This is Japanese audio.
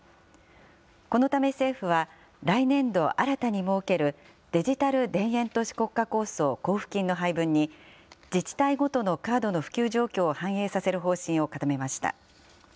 このため政府は、来年度、新たに設けるデジタル田園都市国家構想交付金の配分に、自治体ごとのカードの普及状況を反映させる方針を固めました。